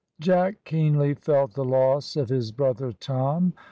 Jack keenly felt the loss of his brother Tom.